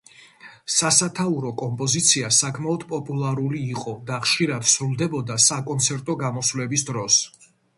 სასათაურო კომპოზიცია საკმაოდ პოპულარული იყო და ხშირად სრულდებოდა საკონცერტო გამოსვლების დროს.